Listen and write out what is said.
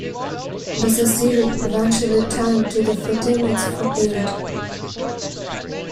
Basasiri eventually turned to the Fatimids for aid.